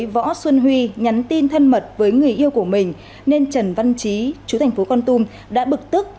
võ xuân huy nhắn tin thân mật với người yêu của mình nên trần văn trí chú thành phố con tum đã bực tức